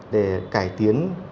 để cải tiến